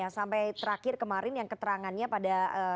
sampai terakhir kemarin yang keterangannya pada